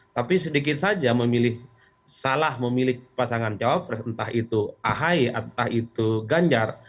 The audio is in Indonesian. tapi sedikit saja memilih salah memilih pasangan cawapres entah itu ahy entah itu ganjar